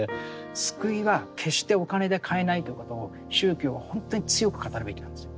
救いは決してお金で買えないということを宗教は本当に強く語るべきなんですよ。